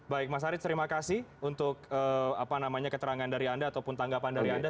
baik mas haris terima kasih untuk keterangan dari anda ataupun tanggapan dari anda